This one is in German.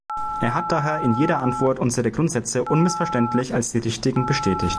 Er hat daher in jeder Antwort unsere Grundsätze unmissverständlich als die richtigen bestätigt.